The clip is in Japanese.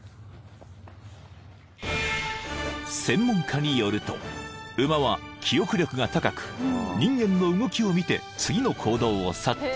［専門家によると馬は記憶力が高く人間の動きを見て次の行動を察知］